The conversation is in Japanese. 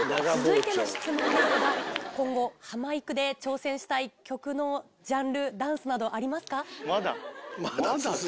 続いての質問ですが今後ハマいくで挑戦したい曲のジャンルダンスなどありますか？